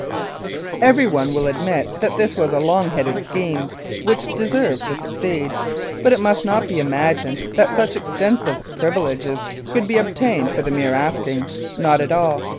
Everyone will admit that this was a long headed scheme which deserved to succeed, but it must not be imagined that such extensive privileges could be obtained for the mere asking. Not at all